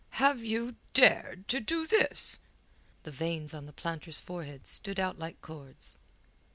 "Have you dared to do this?" The veins on the planter's forehead stood out like cords.